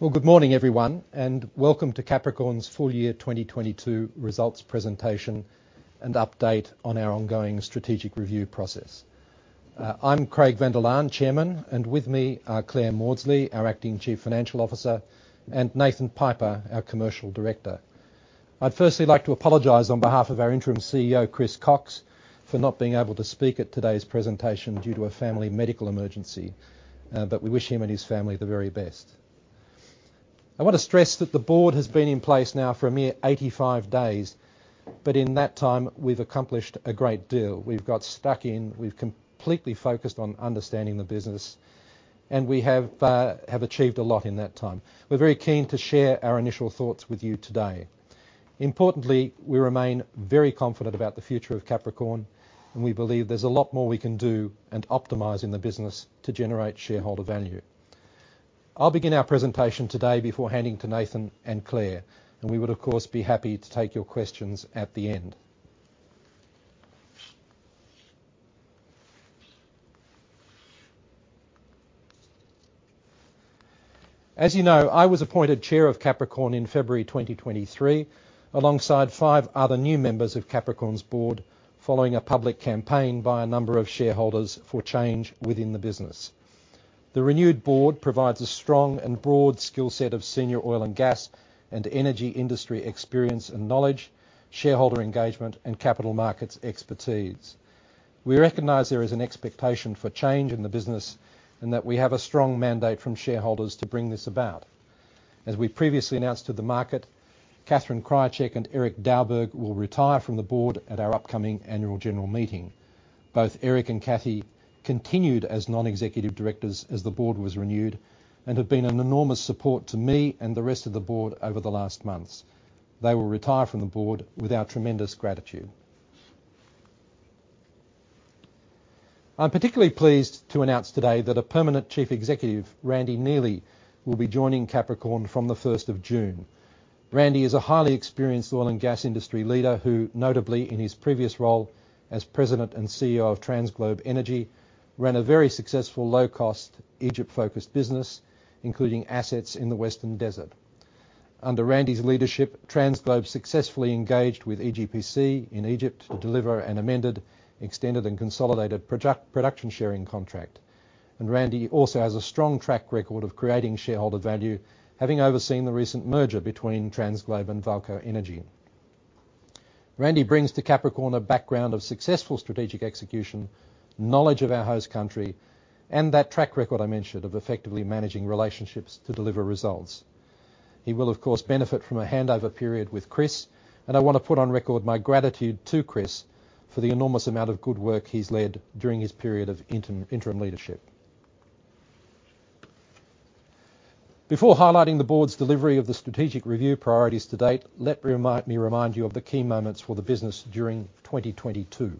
Well, good morning everyone, and welcome to Capricorn's full year 2022 results presentation and update on our ongoing strategic review process. I'm Craig van der Laan, Chairman, and with me are Clare Mawdsley, our acting Chief Financial Officer, and Nathan Piper, our Commercial Director. I'd firstly like to apologize on behalf of our Interim CEO, Chris Cox, for not being able to speak at today's presentation due to a family medical emergency. We wish him and his family the very best. I want to stress that the board has been in place now for a mere 85 days, but in that time we've accomplished a great deal. We've got stuck in. We've completely focused on understanding the business, and we have achieved a lot in that time. We're very keen to share our initial thoughts with you today. Importantly, we remain very confident about the future of Capricorn, and we believe there's a lot more we can do and optimize in the business to generate shareholder value. I'll begin our presentation today before handing to Nathan and Clare, and we would, of course, be happy to take your questions at the end. As you know, I was appointed Chair of Capricorn in February 2023, alongside five other new members of Capricorn's board, following a public campaign by a number of shareholders for change within the business. The renewed board provides a strong and broad skill set of senior oil and gas and energy industry experience and knowledge, shareholder engagement and capital markets expertise. We recognize there is an expectation for change in the business and that we have a strong mandate from shareholders to bring this about. As we previously announced to the market, Catherine Krajicek and Erik B. Daugbjerg will retire from the board at our upcoming annual general meeting. Both Erik and Cathy continued as non-executive directors as the board was renewed and have been an enormous support to me and the rest of the board over the last months. They will retire from the board with our tremendous gratitude. I'm particularly pleased to announce today that a permanent Chief Executive, Randy Neely, will be joining Capricorn from the 1st of June. Randy is a highly experienced oil and gas industry leader who notably in his previous role as President and CEO of TransGlobe Energy, ran a very successful low cost, Egypt-focused business, including assets in the Western Desert. Under Randy's leadership, TransGlobe successfully engaged with EGPC in Egypt to deliver an amended, extended and consolidated production sharing contract. Randy also has a strong track record of creating shareholder value, having overseen the recent merger between TransGlobe Energy and VAALCO Energy. Randy brings to Capricorn Energy a background of successful strategic execution, knowledge of our host country, and that track record I mentioned of effectively managing relationships to deliver results. He will, of course, benefit from a handover period with Chris Cox, and I want to put on record my gratitude to Chris Cox for the enormous amount of good work he's led during his period of interim leadership. Before highlighting the board's delivery of the strategic review priorities to date, let me remind you of the key moments for the business during 2022.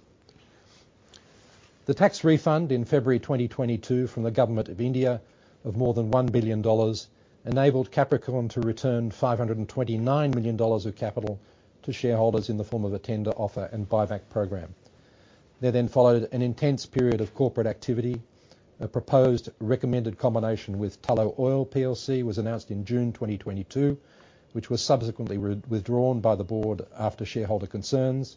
The tax refund in February 2022 from the Government of India of more than $1 billion enabled Capricorn to return $529 million of capital to shareholders in the form of a tender offer and buyback program. Then followed an intense period of corporate activity. A proposed recommended combination with Tullow Oil plc was announced in June 2022, which was subsequently withdrawn by the board after shareholder concerns.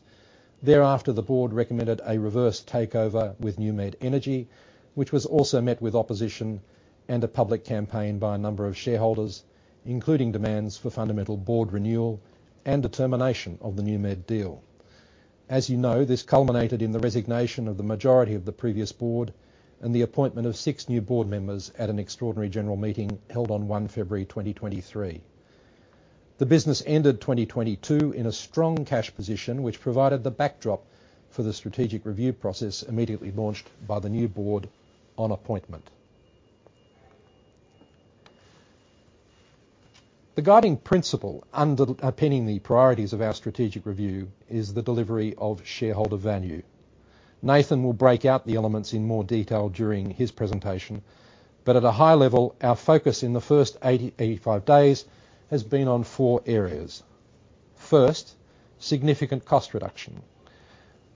Thereafter, the board recommended a reverse takeover with NewMed Energy, which was also met with opposition and a public campaign by a number of shareholders, including demands for fundamental board renewal and the termination of the NewMed deal. As you know, this culminated in the resignation of the majority of the previous board and the appointment of six new board members at an extraordinary general meeting held on 1 February 2023. The business ended 2022 in a strong cash position, which provided the backdrop for the strategic review process immediately launched by the new board on appointment. The guiding principle underpinning the priorities of our strategic review is the delivery of shareholder value. Nathan will break out the elements in more detail during his presentation, but at a high level, our focus in the first 80-85 days has been on four areas. First, significant cost reduction.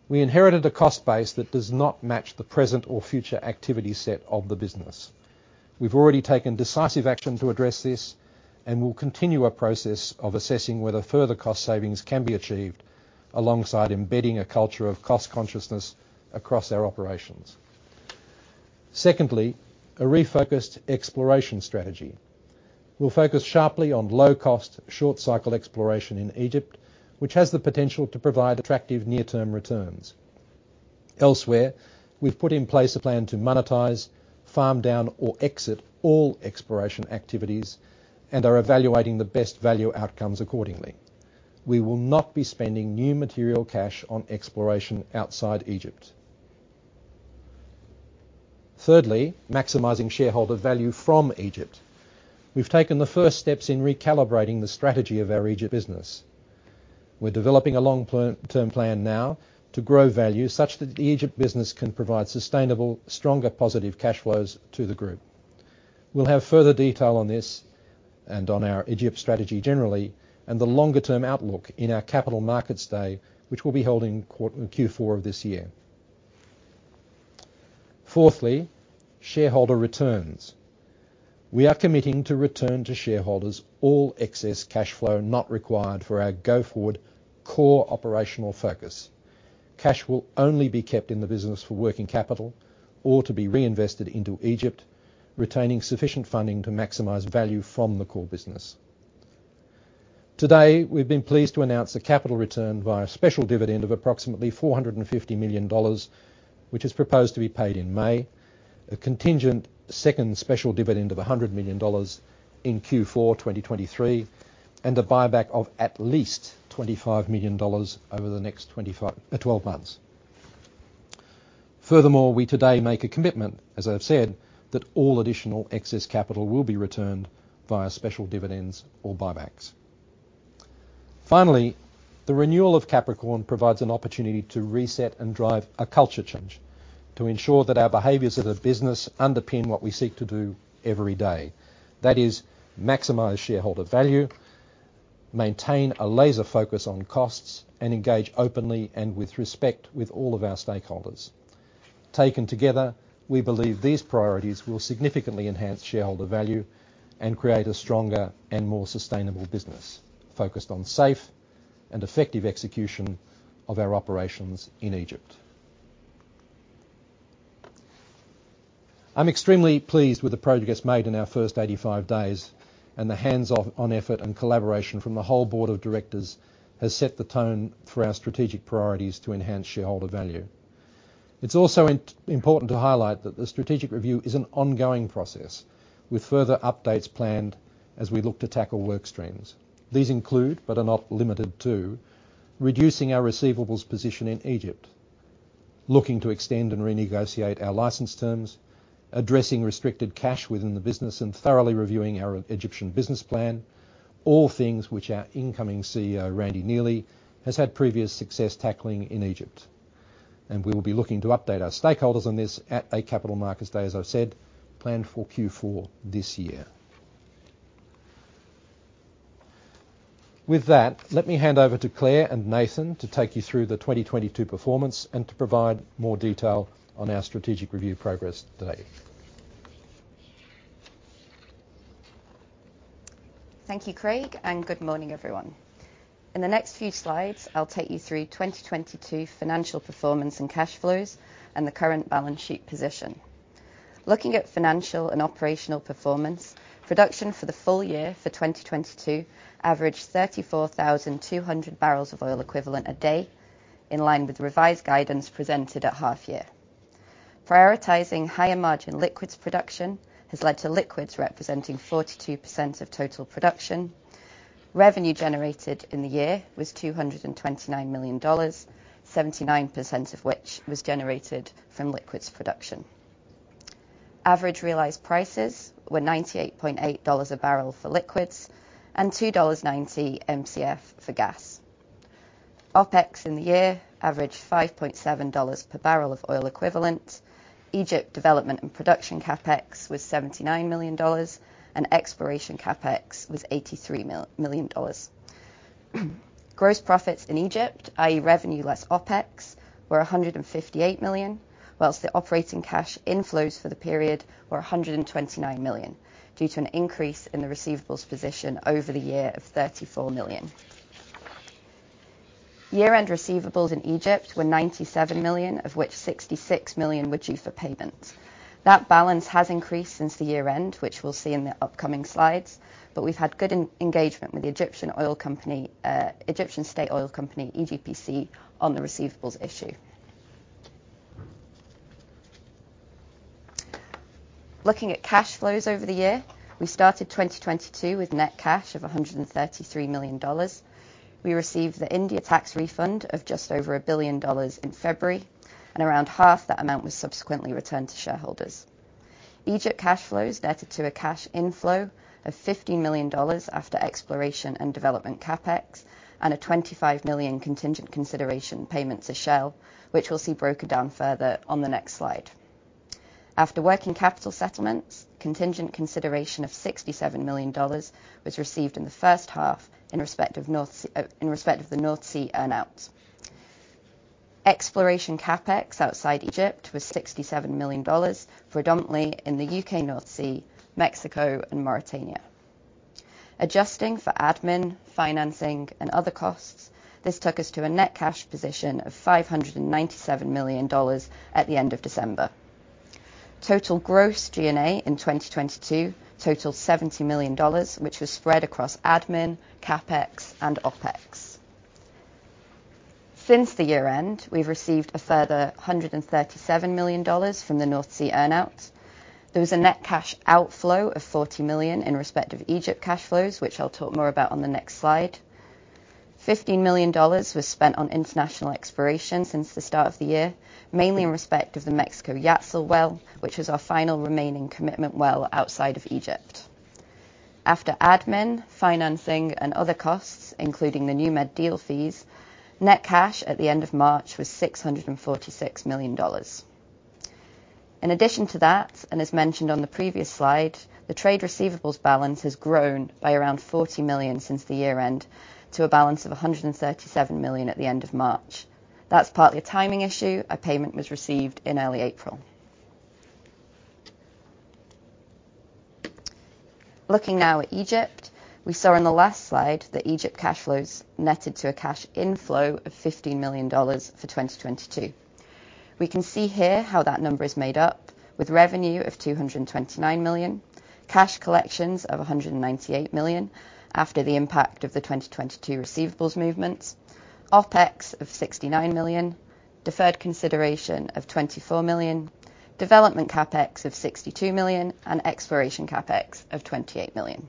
We inherited a cost base that does not match the present or future activity set of the business. We've already taken decisive action to address this and will continue our process of assessing whether further cost savings can be achieved alongside embedding a culture of cost consciousness across our operations. Secondly, a refocused exploration strategy. We'll focus sharply on low cost, short cycle exploration in Egypt, which has the potential to provide attractive near-term returns. Elsewhere, we've put in place a plan to monetize, farm down or exit all exploration activities and are evaluating the best value outcomes accordingly. We will not be spending new material cash on exploration outside Egypt. Thirdly, maximizing shareholder value from Egypt. We've taken the first steps in recalibrating the strategy of our Egypt business. We're developing a long term plan now to grow value such that the Egypt business can provide sustainable, stronger positive cash flows to the group. We'll have further detail on this and on our Egypt strategy generally and the longer term outlook in our Capital Markets Day, which we'll be holding in Q4 of this year. Fourthly, shareholder returns. We are committing to return to shareholders all excess cash flow not required for our go forward core operational focus. Cash will only be kept in the business for working capital or to be reinvested into Egypt, retaining sufficient funding to maximize value from the core business. Today, we've been pleased to announce a capital return via special dividend of approximately $450 million, which is proposed to be paid in May. A contingent second special dividend of $100 million in Q4 2023, and a buyback of at least $25 million over the next 12 months. We today make a commitment, as I've said, that all additional excess capital will be returned via special dividends or buybacks. Finally, the renewal of Capricorn provides an opportunity to reset and drive a culture change to ensure that our behaviors as a business underpin what we seek to do every day. That is maximize shareholder value, maintain a laser focus on costs, and engage openly and with respect with all of our stakeholders. Taken together, we believe these priorities will significantly enhance shareholder value and create a stronger and more sustainable business focused on safe and effective execution of our operations in Egypt. I'm extremely pleased with the progress made in our first 85 days and the hands-on effort and collaboration from the whole board of directors has set the tone for our strategic priorities to enhance shareholder value. It's also important to highlight that the strategic review is an ongoing process with further updates planned as we look to tackle work streams. These include, but are not limited to: reducing our receivables position in Egypt, looking to extend and renegotiate our license terms, addressing restricted cash within the business, and thoroughly reviewing our Egyptian business plan. All things which our incoming CEO, Randy Neely, has had previous success tackling in Egypt. We will be looking to update our stakeholders on this at a Capital Markets Day, as I've said, planned for Q4 this year. With that, let me hand over to Clare and Nathan to take you through the 2022 performance and to provide more detail on our strategic review progress today. Thank you, Craig, and good morning, everyone. In the next few slides, I'll take you through 2022 financial performance and cash flows and the current balance sheet position. Looking at financial and operational performance, production for the full year for 2022 averaged 34,200 bbl of oil equivalent a day, in line with the revised guidance presented at half year. Prioritizing higher margin liquids production has led to liquids representing 42% of total production. Revenue generated in the year was $229 million, 79% of which was generated from liquids production. Average realized prices were $98.8 bbl for liquids and $2.90 MCF for gas. OpEx in the year averaged $5.7 per bbl of oil equivalent. Egypt development and production CapEx was $79 million and exploration CapEx was $83 million. Gross profits in Egypt, i.e. revenue less OpEx, were $158 million, whilst the operating cash inflows for the period were $129 million due to an increase in the receivables position over the year of $34 million. Year-end receivables in Egypt were $97 million, of which $66 million were due for payment. That balance has increased since the year end, which we'll see in the upcoming slides, but we've had good engagement with the Egyptian State Oil company, EGPC, on the receivables issue. Looking at cash flows over the year. We started 2022 with net cash of $133 million. We received the India tax refund of just over $1 billion in February, and around half that amount was subsequently returned to shareholders. Egypt cash flows netted to a cash inflow of $50 million after exploration and development CapEx and a $25 million contingent consideration payment to Shell, which we'll see broken down further on the next slide. After working capital settlements, contingent consideration of $67 million was received in the first half in respect of North Sea in respect of the North Sea earn-out. Exploration CapEx outside Egypt was $67 million, predominantly in the U.K. North Sea, Mexico and Mauritania. Adjusting for admin, financing, and other costs, this took us to a net cash position of $597 million at the end of December. Total gross G&A in 2022 totaled $70 million, which was spread across admin, CapEx and OpEx. Since the year end, we've received a further $137 million from the North Sea earn-out. There was a net cash outflow of $40 million in respect of Egypt cash flows, which I'll talk more about on the next slide. $15 million was spent on international exploration since the start of the year, mainly in respect of the Mexico Yatzil well, which was our final remaining commitment well outside of Egypt. After admin, financing and other costs, including the NewMed deal fees, net cash at the end of March was $646 million. In addition to that, and as mentioned on the previous slide, the trade receivables balance has grown by around $40 million since the year end to a balance of $137 million at the end of March. That's partly a timing issue. A payment was received in early April. Looking now at Egypt, we saw in the last slide that Egypt cash flows netted to a cash inflow of $50 million for 2022. We can see here how that number is made up with revenue of $229 million, cash collections of $198 million after the impact of the 2022 receivables movements, OpEx of $69 million, deferred consideration of $24 million, development CapEx of $62 million and exploration CapEx of $28 million.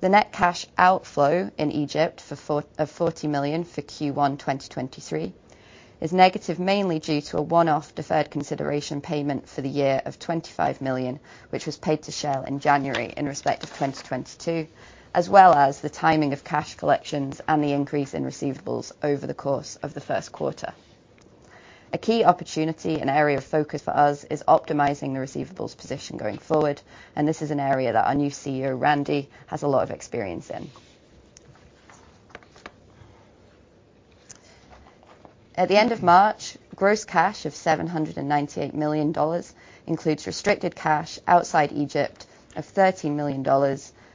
The net cash outflow in Egypt of $40 million for Q1 2023 is negative, mainly due to a one-off deferred consideration payment for the year of $25 million, which was paid to Shell in January in respect of 2022, as well as the timing of cash collections and the increase in receivables over the course of the first quarter. A key opportunity and area of focus for us is optimizing the receivables position going forward. This is an area that our new CEO, Randy, has a lot of experience in. At the end of March, gross cash of $798 million includes restricted cash outside Egypt of $13 million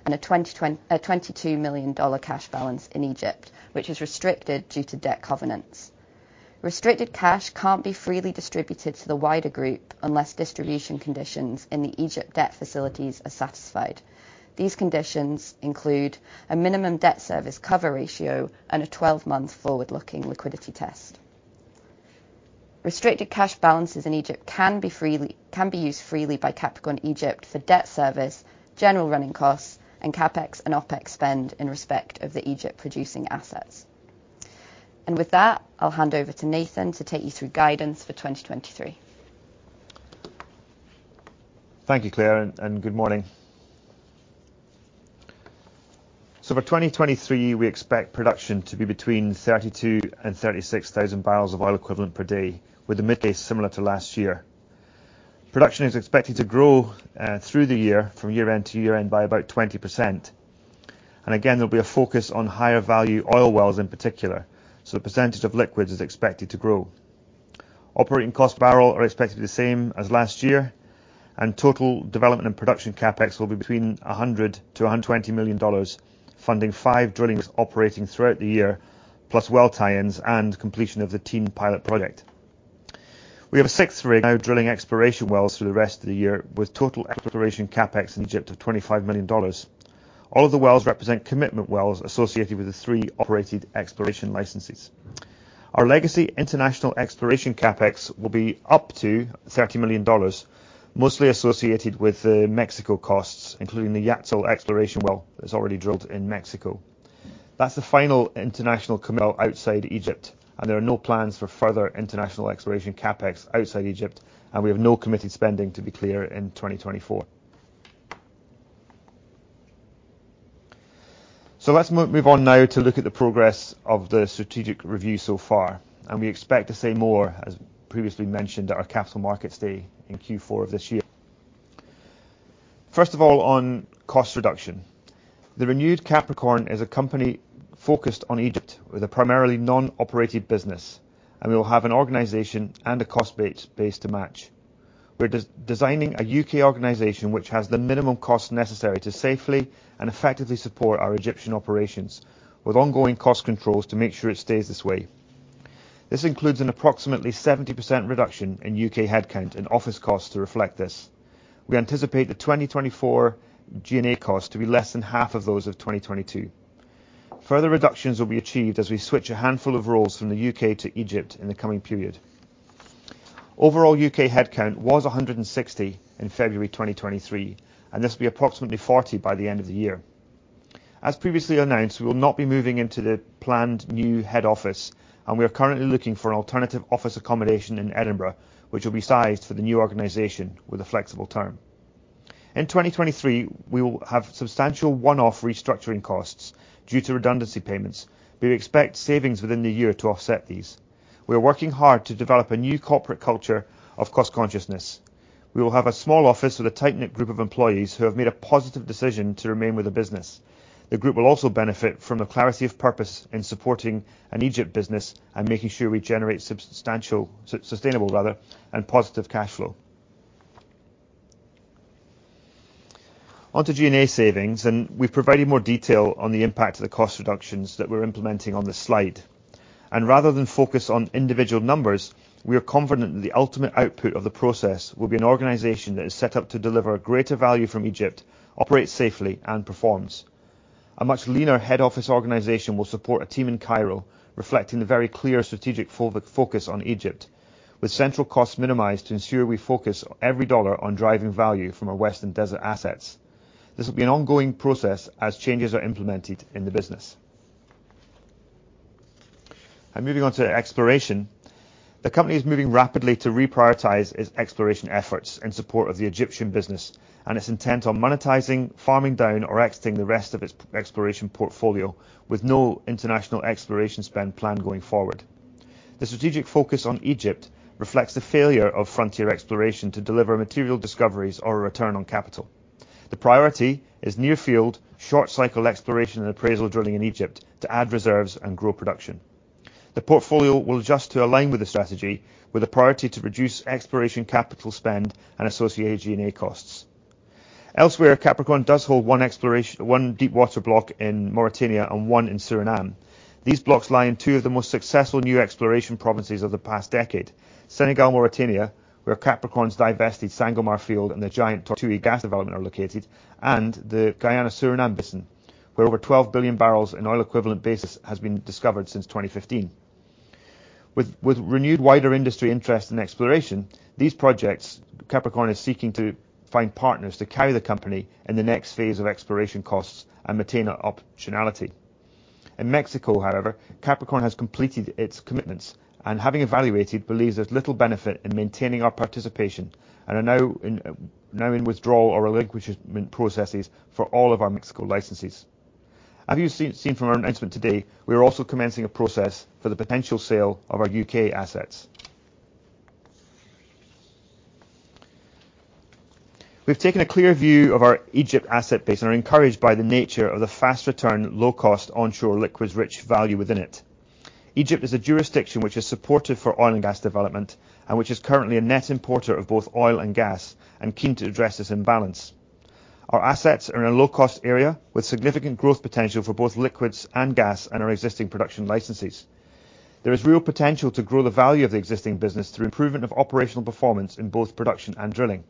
and a $22 million cash balance in Egypt, which is restricted due to debt covenants. Restricted cash can't be freely distributed to the wider group unless distribution conditions in the Egypt debt facilities are satisfied. These conditions include a minimum debt service cover ratio and a 12-month forward-looking liquidity test. Restricted cash balances in Egypt can be used freely by Capricorn Egypt for debt service, general running costs, and CapEx and OpEx spend in respect of the Egypt-producing assets. With that, I'll hand over to Nathan to take you through guidance for 2023. Thank you, Clare, and good morning. For 2023, we expect production to be between 32,000-36,000 bbl of oil equivalent per day, with the mid case similar to last year. Production is expected to grow through the year from year end to year end by about 20%. Again, there'll be a focus on higher value oil wells in particular, so the percentage of liquids is expected to grow. Operating cost barrel are expected the same as last year, and total development and production CapEx will be between $100 million-$120 million, funding five drillings operating throughout the year, plus well tie-ins and completion of the TEEM Pilot Project. We have a sixth rig now drilling exploration wells through the rest of the year, with total exploration CapEx in Egypt of $25 million. All of the wells represent commitment wells associated with the three operated exploration licenses. Our legacy international exploration CapEx will be up to $30 million, mostly associated with the Mexico costs, including the Yatzil exploration well that's already drilled in Mexico. That's the final international commitment outside Egypt, and there are no plans for further international exploration CapEx outside Egypt, and we have no committed spending to be clear in 2024. Let's move on now to look at the progress of the strategic review so far, and we expect to say more, as previously mentioned, at our Capital Markets Day in Q4 of this year. First of all, on cost reduction. The renewed Capricorn Energy is a company focused on Egypt with a primarily non-operated business, and we will have an organization and a cost base to match. We're designing a U.K. organization which has the minimum cost necessary to safely and effectively support our Egyptian operations, with ongoing cost controls to make sure it stays this way. This includes an approximately 70% reduction in U.K. headcount and office costs to reflect this. We anticipate the 2024 G&A cost to be less than half of those of 2022. Further reductions will be achieved as we switch a handful of roles from the U.K. to Egypt in the coming period. Overall, U.K. headcount was 160 in February 2023, and this will be approximately 40 by the end of the year. As previously announced, we will not be moving into the planned new head office, and we are currently looking for an alternative office accommodation in Edinburgh, which will be sized for the new organization with a flexible term. In 2023, we will have substantial one-off restructuring costs due to redundancy payments, but we expect savings within the year to offset these. We are working hard to develop a new corporate culture of cost consciousness. We will have a small office with a tight-knit group of employees who have made a positive decision to remain with the business. The group will also benefit from the clarity of purpose in supporting an Egypt business and making sure we generate sustainable, rather, and positive cash flow. Onto G&A savings, we've provided more detail on the impact of the cost reductions that we're implementing on this slide. Rather than focus on individual numbers, we are confident that the ultimate output of the process will be an organization that is set up to deliver greater value from Egypt, operates safely, and performs. A much leaner head office organization will support a team in Cairo reflecting the very clear strategic focus on Egypt, with central costs minimized to ensure we focus every dollar on driving value from our Western Desert assets. This will be an ongoing process as changes are implemented in the business. Moving on to exploration. The company is moving rapidly to reprioritize its exploration efforts in support of the Egyptian business and is intent on monetizing, farming down, or exiting the rest of its exploration portfolio with no international exploration spend planned going forward. The strategic focus on Egypt reflects the failure of frontier exploration to deliver material discoveries or a return on capital. The priority is near-field, short-cycle exploration and appraisal drilling in Egypt to add reserves and grow production. The portfolio will adjust to align with the strategy with a priority to reduce exploration capital spend and associate G&A costs. Elsewhere, Capricorn does hold one deepwater block in Mauritania and one in Suriname. These blocks lie in two of the most successful new exploration provinces of the past decade, Senegal, Mauritania, where Capricorn's divested Sangomar field and the giant Tortue gas development are located, and the Guyana-Suriname basin, where over 12 billion bbl in oil equivalent basis has been discovered since 2015. With renewed wider industry interest in exploration, these projects, Capricorn is seeking to find partners to carry the company in the next phase of exploration costs and maintain optionality. In Mexico, however, Capricorn has completed its commitments, and having evaluated, believes there's little benefit in maintaining our participation and are now in withdrawal or relinquishment processes for all of our Mexico licenses. As you've seen from our announcement today, we are also commencing a process for the potential sale of our U.K. assets. We've taken a clear view of our Egypt asset base and are encouraged by the nature of the fast return, low-cost onshore liquids rich value within it. Egypt is a jurisdiction which is supportive for oil and gas development and which is currently a net importer of both oil and gas and keen to address this imbalance. Our assets are in a low-cost area with significant growth potential for both liquids and gas and our existing production licenses. There is real potential to grow the value of the existing business through improvement of operational performance in both production and drilling.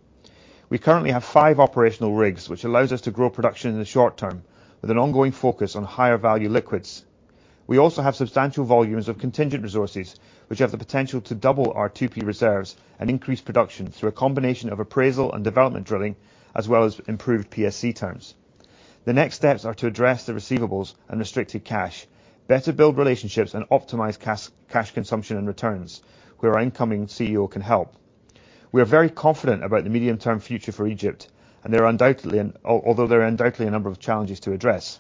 We currently have five operational rigs, which allows us to grow production in the short term with an ongoing focus on higher value liquids. We also have substantial volumes of contingent resources, which have the potential to double our 2P reserves and increase production through a combination of appraisal and development drilling, as well as improved PSC terms. The next steps are to address the receivables and restricted cash, better build relationships and optimize cash consumption and returns, where our incoming CEO can help. We are very confident about the medium-term future for Egypt, and although there are undoubtedly a number of challenges to address.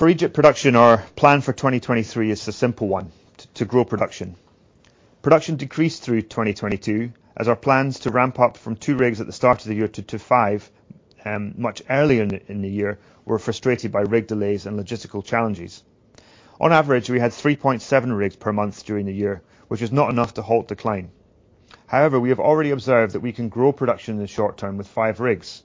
For Egypt production, our plan for 2023 is a simple one, to grow production. Production decreased through 2022 as our plans to ramp up from two rigs at the start of the year to five much earlier in the year were frustrated by rig delays and logistical challenges. On average, we had 3.7 rigs per month during the year, which is not enough to halt decline. We have already observed that we can grow production in the short term with five rigs.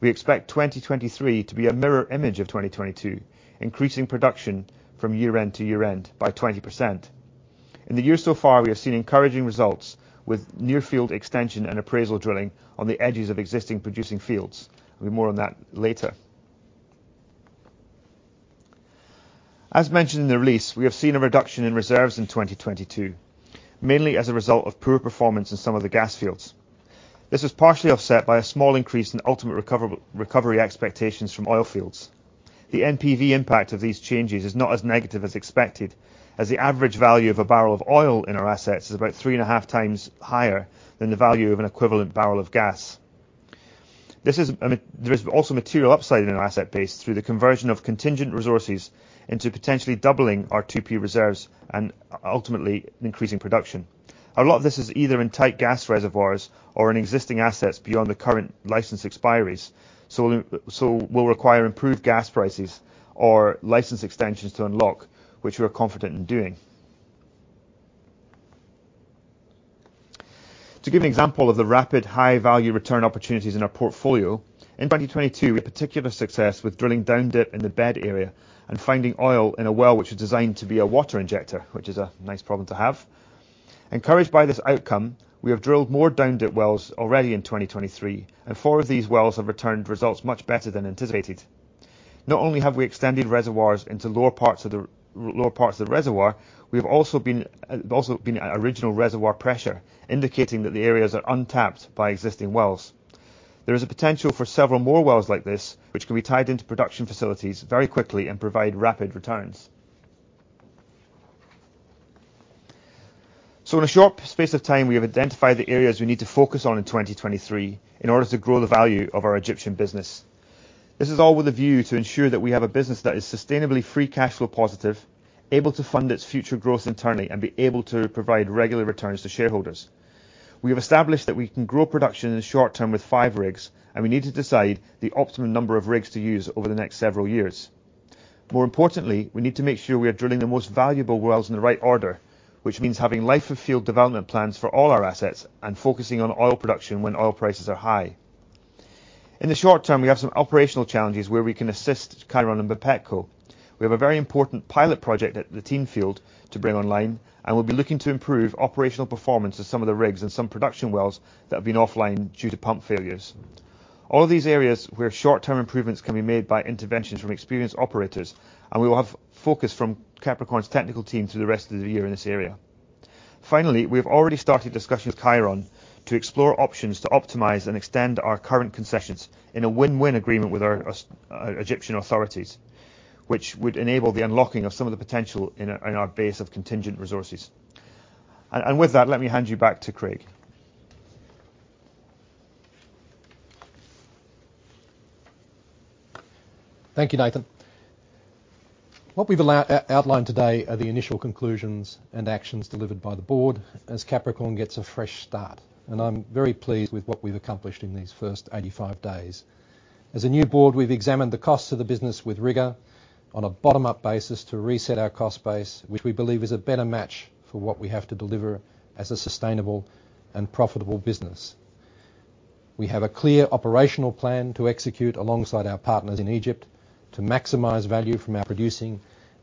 We expect 2023 to be a mirror image of 2022, increasing production from year-end to year-end by 20%. In the year so far, we have seen encouraging results with near field extension and appraisal drilling on the edges of existing producing fields. There'll be more on that later. As mentioned in the release, we have seen a reduction in reserves in 2022, mainly as a result of poor performance in some of the gas fields. This was partially offset by a small increase in ultimate recovery expectations from oil fields. The NPV impact of these changes is not as negative as expected, as the average value of a barrel of oil in our assets is about 3.5x higher than the value of an equivalent barrel of gas. There is also material upside in our asset base through the conversion of contingent resources into potentially doubling our 2P reserves and ultimately increasing production. A lot of this is either in tight gas reservoirs or in existing assets beyond the current license expiries, so will require improved gas prices or license extensions to unlock, which we're confident in doing. To give an example of the rapid high value return opportunities in our portfolio, in 2022, we had particular success with drilling down dip in the BED area and finding oil in a well which is designed to be a water injector, which is a nice problem to have. Encouraged by this outcome, we have drilled more down dip wells already in 2023. Four of these wells have returned results much better than anticipated. Not only have we extended reservoirs into lower parts of the reservoir, we have also been at original reservoir pressure, indicating that the areas are untapped by existing wells. There is a potential for several more wells like this, which can be tied into production facilities very quickly and provide rapid returns. In a short space of time, we have identified the areas we need to focus on in 2023 in order to grow the value of our Egyptian business. This is all with a view to ensure that we have a business that is sustainably free cash flow positive, able to fund its future growth internally, and be able to provide regular returns to shareholders. We have established that we can grow production in the short term with five rigs, and we need to decide the optimum number of rigs to use over the next several years. More importantly, we need to make sure we are drilling the most valuable wells in the right order, which means having life of field development plans for all our assets and focusing on oil production when oil prices are high. In the short term, we have some operational challenges where we can assist Cheiron and APECO. We have a very important pilot project at the TEEM field to bring online, and we'll be looking to improve operational performance of some of the rigs and some production wells that have been offline due to pump failures. All of these areas where short-term improvements can be made by interventions from experienced operators, and we will have focus from Capricorn's technical team through the rest of the year in this area. Finally, we have already started discussions with Cheiron to explore options to optimize and extend our current concessions in a win-win agreement with our Egyptian authorities, which would enable the unlocking of some of the potential in our base of contingent resources. With that, let me hand you back to Craig. Thank you, Nathan What we've outlined today are the initial conclusions and actions delivered by the board as Capricorn gets a fresh start, and I'm very pleased with what we've accomplished in these first 85 days. As a new board, we've examined the costs of the business with rigor on a bottom-up basis to reset our cost base, which we believe is a better match for what we have to deliver as a sustainable and profitable business. We have a clear operational plan to execute alongside our partners in Egypt to maximize value from our producing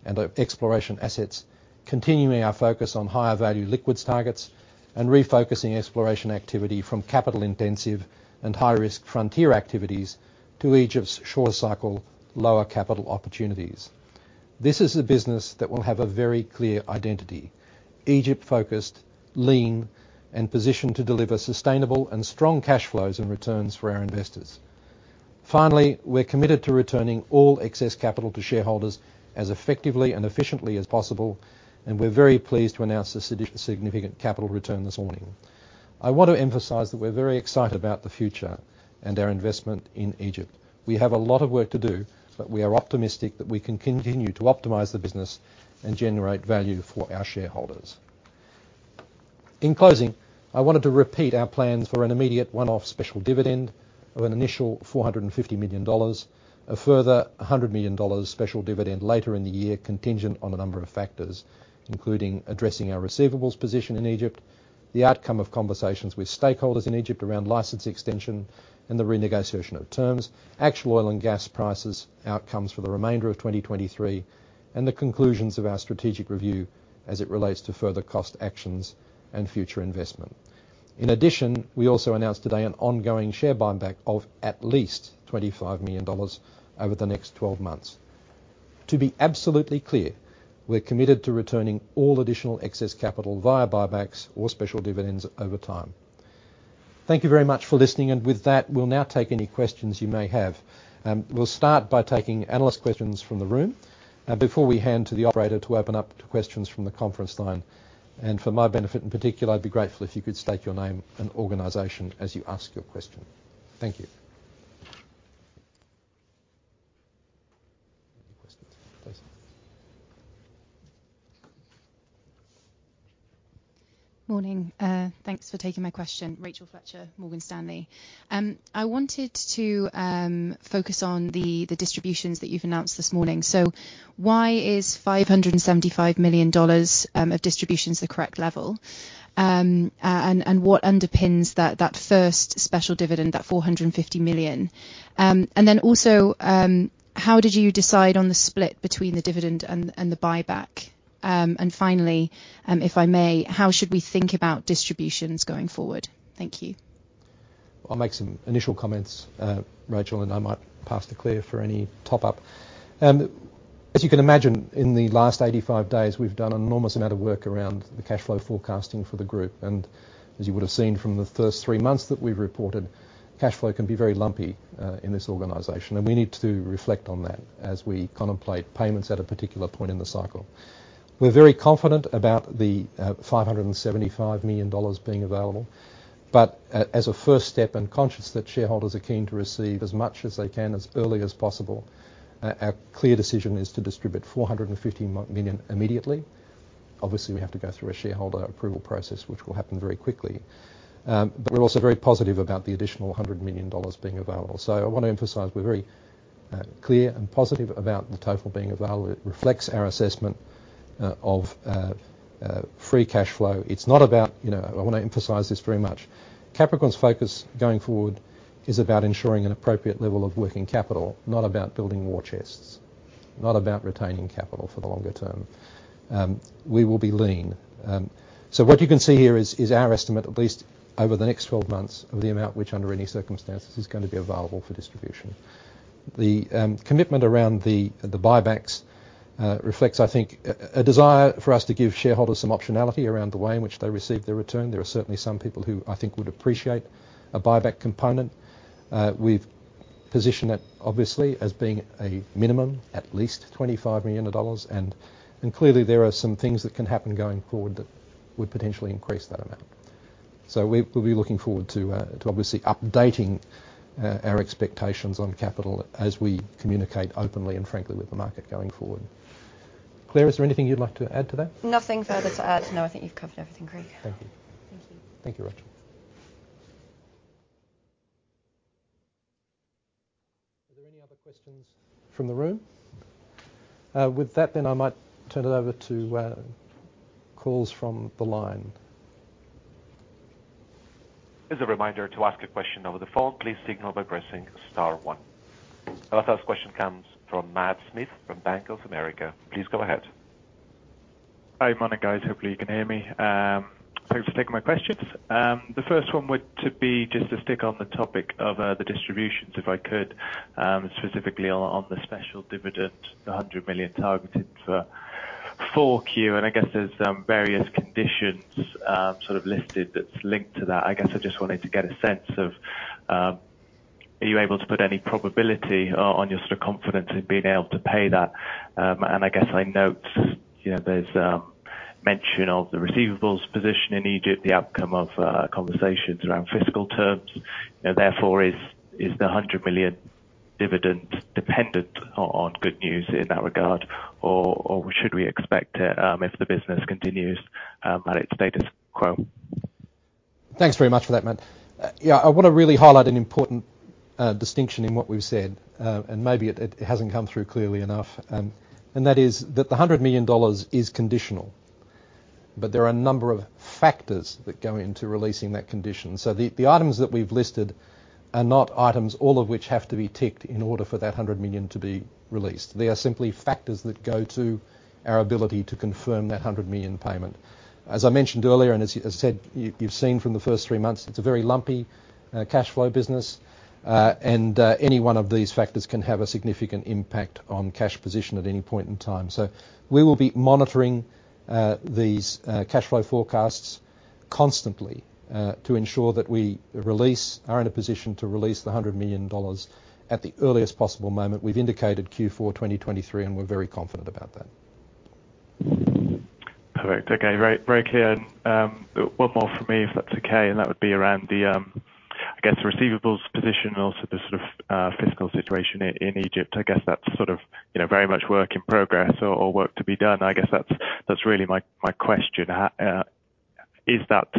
and exploration assets, continuing our focus on higher value liquids targets and refocusing exploration activity from capital-intensive and high-risk frontier activities to Egypt's short-cycle, lower capital opportunities. This is a business that will have a very clear identity. Egypt-focused, lean, and positioned to deliver sustainable and strong cash flows and returns for our investors. Finally, we're committed to returning all excess capital to shareholders as effectively and efficiently as possible, and we're very pleased to announce a significant capital return this morning. I want to emphasize that we're very excited about the future and our investment in Egypt. We have a lot of work to do, but we are optimistic that we can continue to optimize the business and generate value for our shareholders. In closing, I wanted to repeat our plans for an immediate one-off special dividend of an initial $450 million. A further $100 million special dividend later in the year, contingent on a number of factors, including addressing our receivables position in Egypt, the outcome of conversations with stakeholders in Egypt around license extension and the renegotiation of terms, actual oil and gas prices, outcomes for the remainder of 2023, and the conclusions of our strategic review as it relates to further cost actions and future investment. In addition, we also announced today an ongoing share buyback of at least $25 million over the next 12 months. To be absolutely clear, we're committed to returning all additional excess capital via buybacks or special dividends over time. Thank you very much for listening, and with that, we'll now take any questions you may have. We'll start by taking analyst questions from the room before we hand to the operator to open up to questions from the conference line. For my benefit in particular, I'd be grateful if you could state your name and organization as you ask your question. Thank you. Any questions, please. Morning. Thanks for taking my question. Rachel Fletcher, Morgan Stanley. I wanted to focus on the distributions that you've announced this morning. Why is $575 million of distributions the correct level? What underpins that first special dividend, that $450 million? Then also, how did you decide on the split between the dividend and the buyback? Finally, if I may, how should we think about distributions going forward? Thank you. I'll make some initial comments, Rachel, and I might pass to Clare for any top up. As you can imagine, in the last 85 days, we've done an enormous amount of work around the cash flow forecasting for the group. As you would have seen from the first three months that we've reported, cash flow can be very lumpy in this organization, and we need to reflect on that as we contemplate payments at a particular point in the cycle. We're very confident about the $575 million being available. As a first step, and conscious that shareholders are keen to receive as much as they can as early as possible, our clear decision is to distribute $450 million immediately. Obviously, we have to go through a shareholder approval process, which will happen very quickly. We're also very positive about the additional $100 million being available. I want to emphasize we're very clear and positive about the total being available. It reflects our assessment of free cash flow. It's not about, you know. I want to emphasize this very much. Capricorn's focus going forward is about ensuring an appropriate level of working capital, not about building war chests. Not about retaining capital for the longer term. We will be lean. What you can see here is our estimate, at least over the next 12 months, of the amount which under any circumstances is going to be available for distribution. The commitment around the buybacks reflects, I think, a desire for us to give shareholders some optionality around the way in which they receive their return. There are certainly some people who I think would appreciate a buyback component. We've positioned it obviously as being a minimum, at least $25 million, and clearly there are some things that can happen going forward that would potentially increase that amount. We'll be looking forward to obviously updating our expectations on capital as we communicate openly and frankly with the market going forward. Clare, is there anything you'd like to add to that? Nothing further to add, no. I think you've covered everything, Craig. Thank you. Thank you. Thank you, Rachel. Are there any other questions from the room? With that I might turn it over to calls from the line. As a reminder to ask a question over the phone, please signal by pressing star one. Our first question comes from Matt Smith from Bank of America. Please go ahead. Hi, morning, guys. Hopefully you can hear me. Thanks for taking my questions. The first one would to be just to stick on the topic of the distributions, if I could, specifically on the special dividend, the $100 million targeted 4Q. I guess there's mention of the receivables position in Egypt, the outcome of conversations around fiscal terms. Therefore, is the $100 million dividend dependent on good news in that regard? Or should we expect it, if the business continues at its status quo? Thanks very much for that, Matt. I want to really highlight an important distinction in what we've said, and maybe it hasn't come through clearly enough. And that is that the $100 million is conditional. There are a number of factors that go into releasing that condition. The items that we've listed are not items, all of which have to be ticked in order for that $100 million to be released. They are simply factors that go to our ability to confirm that $100 million payment. As I mentioned earlier, and as you said, you've seen from the first three months, it's a very lumpy cashflow business. Any one of these factors can have a significant impact on cash position at any point in time. We will be monitoring these cashflow forecasts constantly to ensure that we are in a position to release the $100 million at the earliest possible moment. We've indicated Q4 2023, and we're very confident about that. Perfect. Okay, great. Break here. One more from me, if that's okay, and that would be around the I guess the receivables position and also the sort of fiscal situation in Egypt. I guess that's sort of, you know, very much work in progress or work to be done. I guess that's really my question. Is that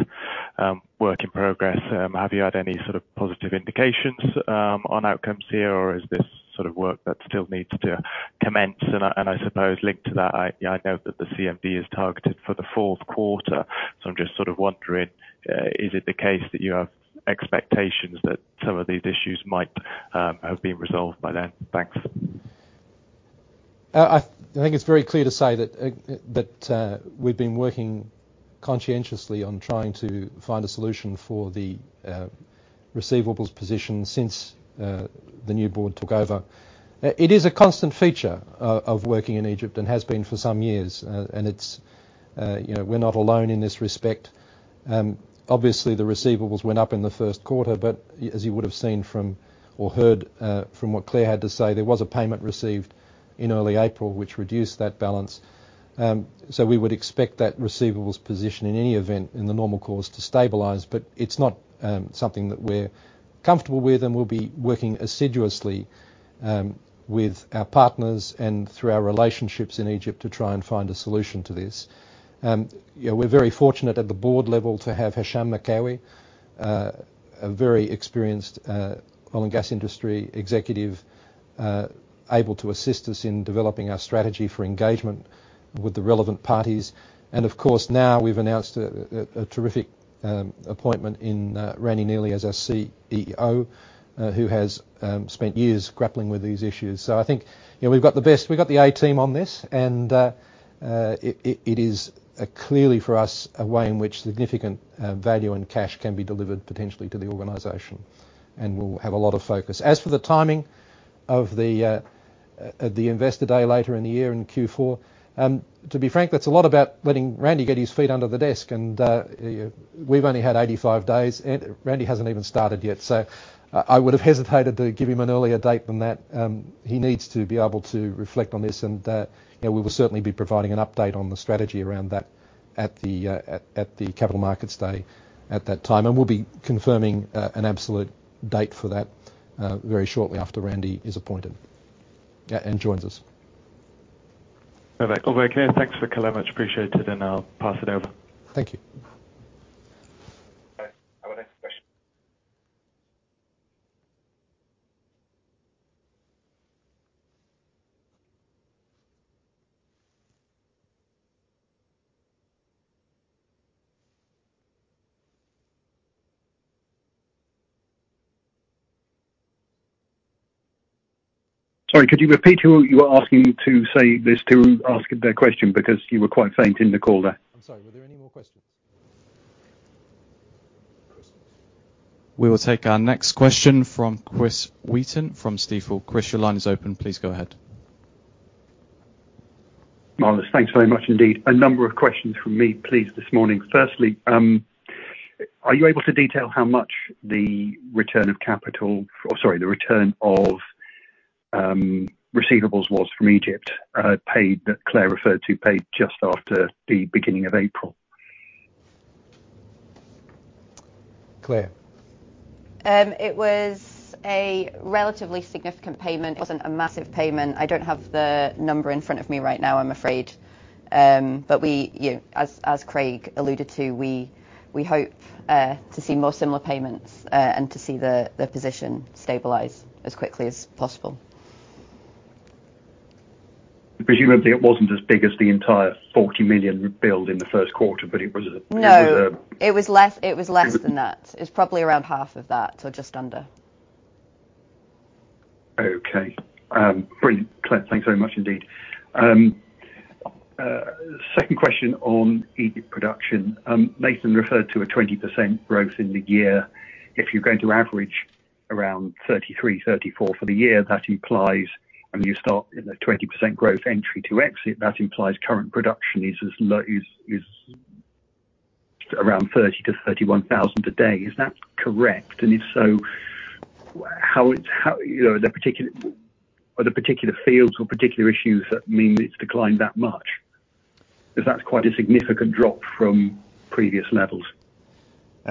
work in progress? Have you had any sort of positive indications on outcomes here? Or is this sort of work that still needs to commence? I suppose linked to that, I note that the CMD is targeted for the fourth quarter. I'm just sort of wondering, is it the case that you have expectations that some of these issues might have been resolved by then? Thanks. I think it's very clear to say that, we've been working conscientiously on trying to find a solution for the receivables position since the new board took over. It is a constant feature of working in Egypt and has been for some years. It's, you know, we're not alone in this respect. Obviously, the receivables went up in the first quarter, but as you would have seen from or heard, from what Clare had to say, there was a payment received in early April which reduced that balance. We would expect that receivables position in any event in the normal course to stabilize. It's not something that we're comfortable with, and we'll be working assiduously with our partners and through our relationships in Egypt to try and find a solution to this. You know, we're very fortunate at the board level to have Hesham Mekawi, a very experienced oil and gas industry executive, able to assist us in developing our strategy for engagement with the relevant parties. Of course, now we've announced a terrific appointment in Randy Neely as our CEO, who has spent years grappling with these issues. I think, you know, we've got the best. We've got the A team on this. It is clearly for us a way in which significant value and cash can be delivered potentially to the organization. We'll have a lot of focus. As for the timing of the investor day later in the year in Q4, to be frank, that's a lot about letting Randy get his feet under the desk and we've only had 85 days. Randy hasn't even started yet. I would have hesitated to give him an earlier date than that. He needs to be able to reflect on this and, you know, we will certainly be providing an update on the strategy around that at the Capital Markets Day at that time. We'll be confirming an absolute date for that very shortly after Randy is appointed and joins us. Perfect. All very clear. Thanks for clarity. Much appreciated, and I'll pass it over. Thank you. Okay. Our next question. Sorry, could you repeat who you were asking to say this, to ask their question? You were quite faint in the call there. I'm sorry, were there any more questions? We will take our next question from Chris Wheaton from Stifel. Chris, your line is open. Please go ahead. Marvelous. Thanks very much indeed. A number of questions from me, please, this morning. Firstly, are you able to detail how much the return of receivables was from Egypt, paid, that Clare referred to, paid just after the beginning of April? Clare? It was a relatively significant payment. It wasn't a massive payment. I don't have the number in front of me right now, I'm afraid. As Craig alluded to, we hope to see more similar payments and to see the position stabilize as quickly as possible. Presumably, it wasn't as big as the entire $40 million build in the first quarter, but it was. No. It was less than that. It was probably around half of that or just under. Okay. Brilliant, Clare. Thanks very much indeed. Second question on Egypt production. Nathan referred to a 20% growth in the year. If you're going to average around 33, 34 for the year, that implies when you start in the 20% growth entry to exit, that implies current production is around 30,000-31,000 a day. Is that correct? If so, how you know, are there particular fields or particular issues that mean it's declined that much? 'Cause that's quite a significant drop from previous levels.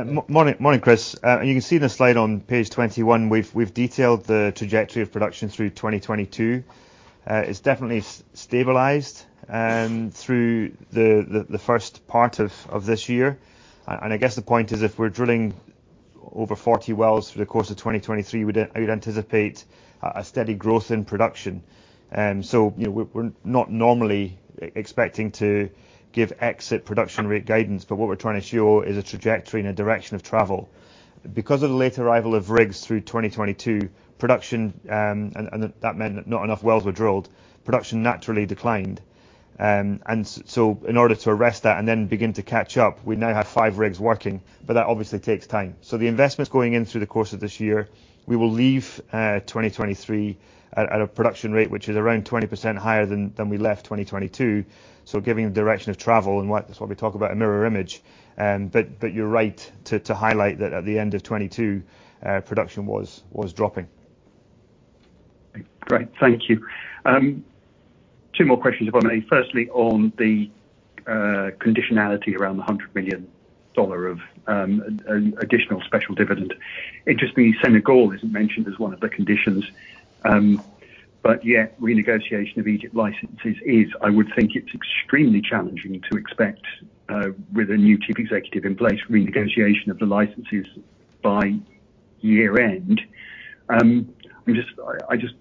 Morning, Chris. You can see the slide on page 21. We've detailed the trajectory of production through 2022. It's definitely stabilized through the first part of this year. I guess the point is if we're drilling over 40 wells through the course of 2023, we'd anticipate a steady growth in production. You know, we're not normally expecting to give exit production rate guidance, but what we're trying to show is a trajectory and a direction of travel. Because of the late arrival of rigs through 2022, production, and that meant that not enough wells were drilled, production naturally declined. In order to arrest that and then begin to catch up, we now have five rigs working, but that obviously takes time. The investments going in through the course of this year, we will leave 2023 at a production rate which is around 20% higher than we left 2022. Giving the direction of travel and what, that's what we talk about a mirror image. You're right to highlight that at the end of 2022, production was dropping. Great. Thank you. Two more questions, if I may. Firstly, on the conditionality around the $100 million of an additional special dividend. Interestingly, Senegal isn't mentioned as one of the conditions, yet renegotiation of Egypt licenses is. I would think it's extremely challenging to expect, with a new Chief Executive in place, renegotiation of the licenses by year-end. I just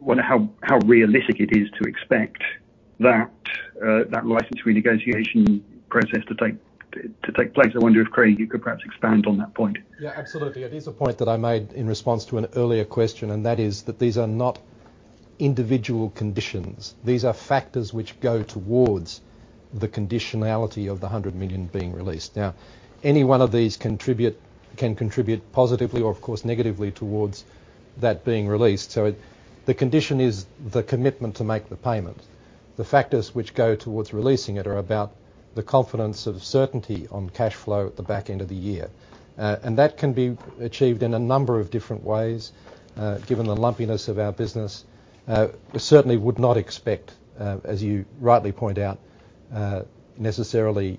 wonder how realistic it is to expect that license renegotiation process to take place. I wonder if, Craig, you could perhaps expand on that point. Yeah, absolutely. It is a point that I made in response to an earlier question, and that is that these are not individual conditions. These are factors which go towards the conditionality of the $100 million being released. Now, any one of these can contribute positively or of course negatively towards that being released. The condition is the commitment to make the payment. The factors which go towards releasing it are about the confidence of certainty on cash flow at the back end of the year. That can be achieved in a number of different ways, given the lumpiness of our business. Certainly would not expect, as you rightly point out, necessarily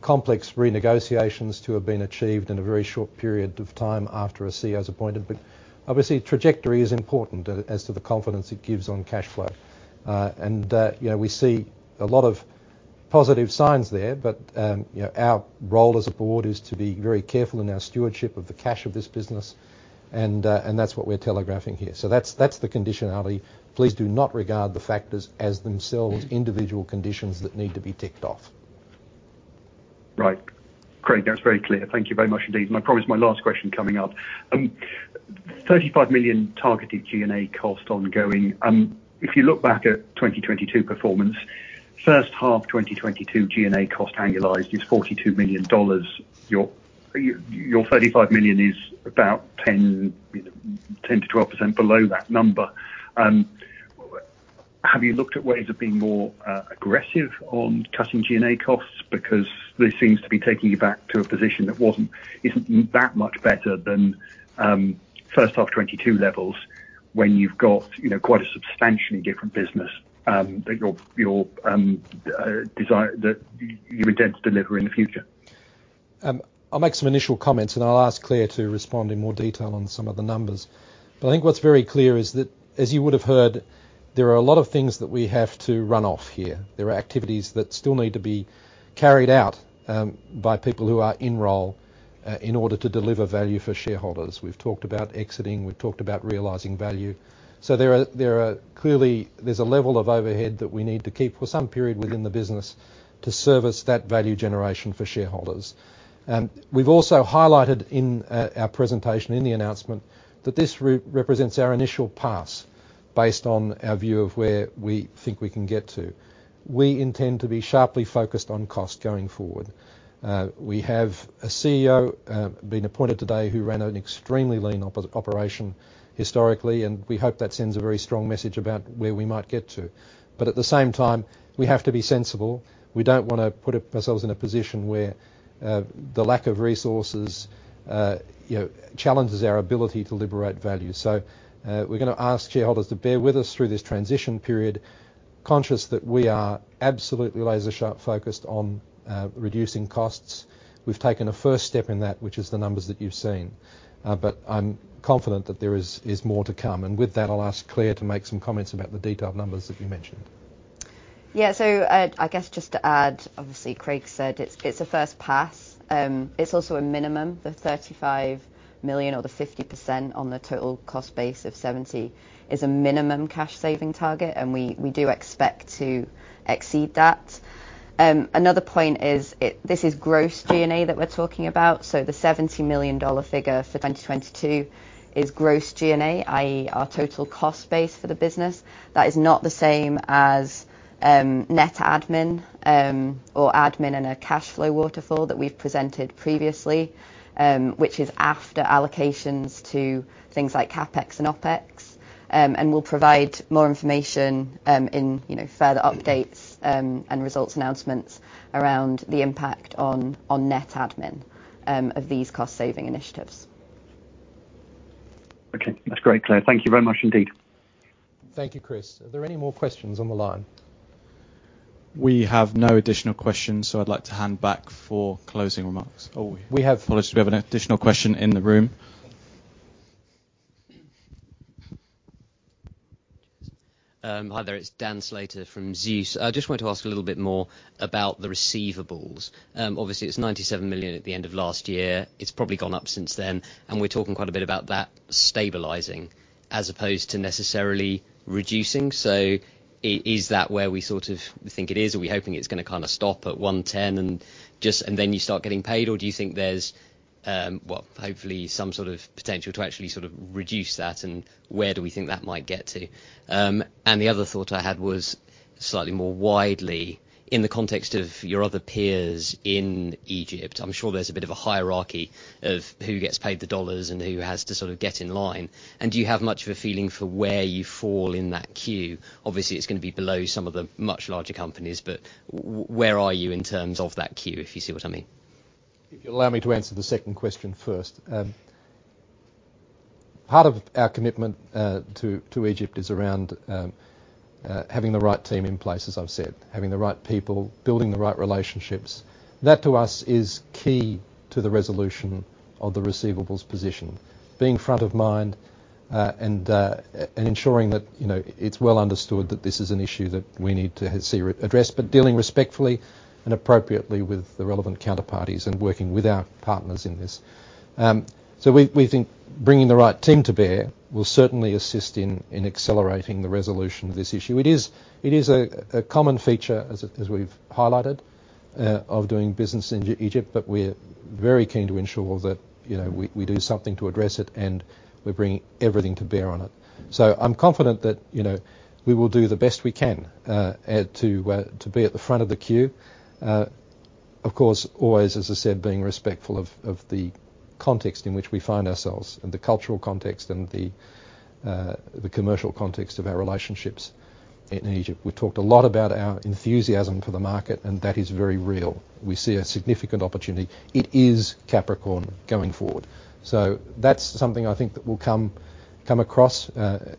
complex renegotiations to have been achieved in a very short period of time after a CEO is appointed. Obviously, trajectory is important as to the confidence it gives on cash flow. You know, we see a lot of positive signs there, but you know, our role as a board is to be very careful in our stewardship of the cash of this business, and that's what we're telegraphing here. That's, that's the conditionality. Please do not regard the factors as themselves individual conditions that need to be ticked off. Right. Craig, that's very clear. Thank you very much indeed. I promise, my last question coming up. $35 million targeted G&A cost ongoing. If you look back at 2022 performance, first half 2022 G&A cost annualized is $42 million. Your $35 million is about, you know, 10%-12% below that number. Have you looked at ways of being more aggressive on cutting G&A costs? This seems to be taking you back to a position that isn't that much better than first half 2022 levels when you've got, you know, quite a substantially different business that you intend to deliver in the future. I'll make some initial comments. I'll ask Clare to respond in more detail on some of the numbers. I think what's very clear is that, as you would have heard, there are a lot of things that we have to run off here. There are activities that still need to be carried out by people who are in role in order to deliver value for shareholders. We've talked about exiting, we've talked about realizing value. Clearly, there's a level of overhead that we need to keep for some period within the business to service that value generation for shareholders. We've also highlighted in our presentation in the announcement that this re-represents our initial pass based on our view of where we think we can get to. We intend to be sharply focused on cost going forward. We have a CEO being appointed today who ran an extremely lean operation historically, we hope that sends a very strong message about where we might get to. At the same time, we have to be sensible. We don't wanna put ourselves in a position where the lack of resources, you know, challenges our ability to liberate value. We're gonna ask shareholders to bear with us through this transition period, conscious that we are absolutely laser-sharp focused on reducing costs. We've taken a first step in that, which is the numbers that you've seen. I'm confident that there is more to come. With that, I'll ask Clare to make some comments about the detailed numbers that you mentioned. Yeah. I guess just to add, obviously Craig said it's a first pass. It's also a minimum. The $35 million or the 50% on the total cost base of $70 is a minimum cash saving target, and we do expect to exceed that. Another point is this is gross G&A that we're talking about. The $70 million figure for 2022 is gross G&A, i.e. our total cost base for the business. That is not the same as net admin or admin in a cash flow waterfall that we've presented previously, which is after allocations to things like CapEx and OpEx. We'll provide more information, in, you know, further updates and results announcements around the impact on net admin of these cost-saving initiatives. Okay. That's great, Clare. Thank you very much indeed. Thank you, Chris. Are there any more questions on the line? We have no additional questions. I'd like to hand back for closing remarks. Oh, sorry, we have an additional question in the room. Hi there. It's Dan Slater from Zeus. I just wanted to ask a little bit more about the receivables. Obviously it's $97 million at the end of last year. It's probably gone up since then, and we're talking quite a bit about that stabilizing as opposed to necessarily reducing. Is that where we sort of think it is? Are we hoping it's gonna kinda stop at $110 and just... and then you start getting paid, or do you think there's, well, hopefully some sort of potential to actually sort of reduce that, and where do we think that might get to? The other thought I had was slightly more widely in the context of your other peers in Egypt, I'm sure there's a bit of a hierarchy of who gets paid the dollars and who has to sort of get in line, and do you have much of a feeling for where you fall in that queue? Obviously, it's gonna be below some of the much larger companies, but where are you in terms of that queue, if you see what I mean? If you allow me to answer the second question first. Part of our commitment to Egypt is around having the right team in place, as I've said. Having the right people. Building the right relationships. That, to us, is key to the resolution of the receivables position. Being front of mind, and ensuring that, you know, it's well understood that this is an issue that we need to see addressed, but dealing respectfully and appropriately with the relevant counterparties and working with our partners in this. We, we think bringing the right team to bear will certainly assist in accelerating the resolution of this issue. It is a common feature as we've highlighted of doing business in Egypt, but we're very keen to ensure that, you know, we do something to address it, and we're bringing everything to bear on it. I'm confident that, you know, we will do the best we can to be at the front of the queue. Of course, always, as I said, being respectful of the context in which we find ourselves and the cultural context and the commercial context of our relationships in Egypt. We've talked a lot about our enthusiasm for the market, and that is very real. We see a significant opportunity. It is Capricorn going forward. That's something I think that will come across,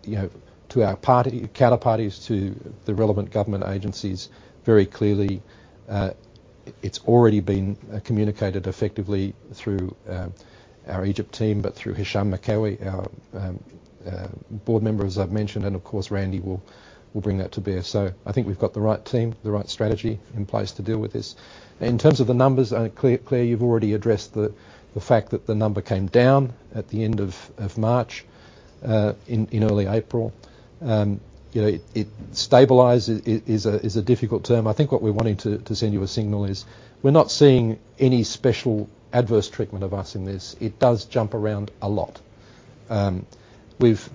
you know, to our counterparties, to the relevant government agencies very clearly. It's already been communicated effectively through our Egypt team, but through Hesham Mekawi, our board member, as I've mentioned, and of course, Randy will bring that to bear. I think we've got the right team, the right strategy in place to deal with this. In terms of the numbers, Clare, you've already addressed the fact that the number came down at the end of March, in early April. Stabilized is a difficult term. I think what we're wanting to send you a signal is we're not seeing any special adverse treatment of us in this. It does jump around a lot. We've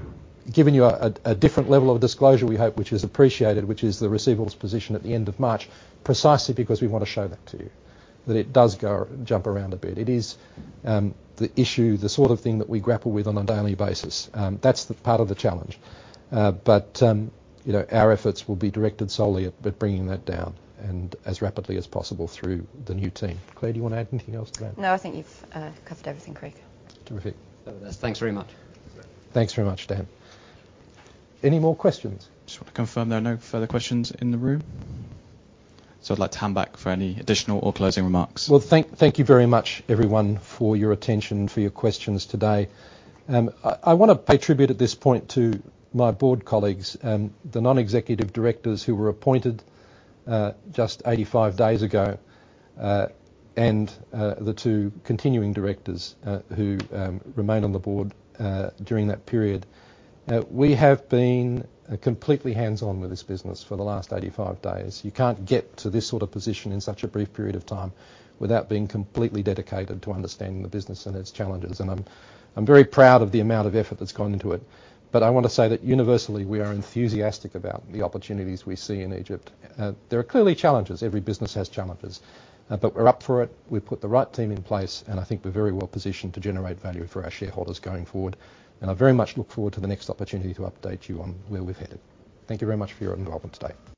given you a different level of disclosure we hope, which is appreciated, which is the receivables position at the end of March, precisely because we wanna show that to you, that it does go jump around a bit. It is, the issue, the sort of thing that we grapple with on a daily basis. That's the part of the challenge. But, you know, our efforts will be directed solely at bringing that down and as rapidly as possible through the new team. Clare, do you wanna add anything else to that? No, I think you've covered everything, Craig. Terrific. Thanks very much. Thanks very much, Dan. Any more questions? Just want to confirm there are no further questions in the room. I'd like to hand back for any additional or closing remarks. Thank you very much everyone for your attention, for your questions today. I wanna pay tribute at this point to my board colleagues and the non-executive directors who were appointed just 85 days ago and the two continuing directors who remain on the board during that period. We have been completely hands-on with this business for the last 85 days. You can't get to this sort of position in such a brief period of time without being completely dedicated to understanding the business and its challenges, and I'm very proud of the amount of effort that's gone into it. I want to say that universally, we are enthusiastic about the opportunities we see in Egypt. There are clearly challenges. Every business has challenges. We're up for it. We've put the right team in place, I think we're very well positioned to generate value for our shareholders going forward. I very much look forward to the next opportunity to update you on where we're headed. Thank you very much for your involvement today.